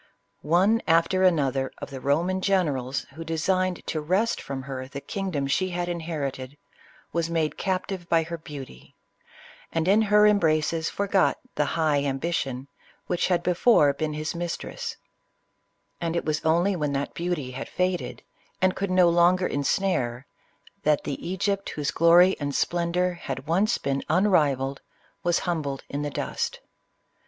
One after another of the Roman generals who designed to wrest from her the kingdom she had inherited, was made captive by her beauty, and in her embraces for got the " high ambition" which had before been his mistress ; and it was only when that beauty had faded, and could no longer ensnare, that the Egypt whose glory and splendor had once been unrivalled, was humbled in the dust.